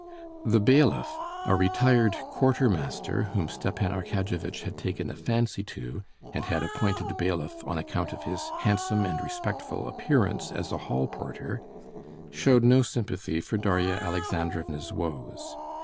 The bailiff, a retired quartermaster, whom Stepan Arkadyevitch had taken a fancy to and had appointed bailiff on account of his handsome and respectful appearance as a hall porter, showed no sympathy for Darya Alexandrovna's woes.